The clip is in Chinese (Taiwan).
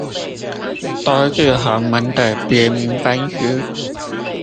都是洪門的別名分支